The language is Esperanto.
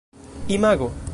imago